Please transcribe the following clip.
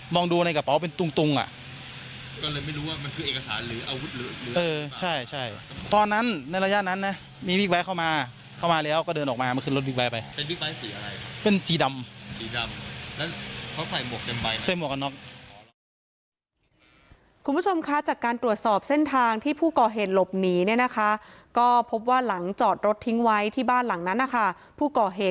มองดูในกระเป๋าเป็นตุ่งอ่ะด้วยไม่รู้ว่ามันคือเอกสารหรือ